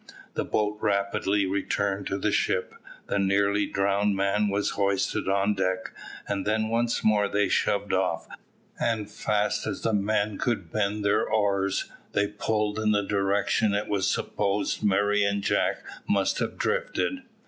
The boat rapidly returned to the ship, the nearly drowned man was hoisted on deck, and then once more they shoved off, and fast as the men could bend to their oars, they pulled in the direction it was supposed Murray and Jack must have drifted.